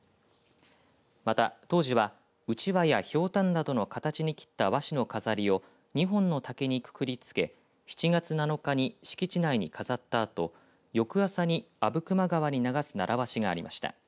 また当時は、うちわやひょうたんなどの形に切った和紙の飾りを２本の竹にくくりつけ７月７日に敷地内に飾ったあと翌朝に阿武隈川に流す習わしがありました。